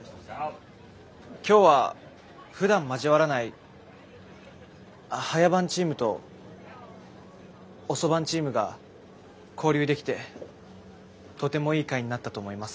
今日はふだん交わらない早番チームと遅番チームが交流できてとてもいい会になったと思います。